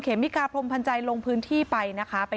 เขมิกาพลมพันจัยลงพื้นที่ไปนะคะ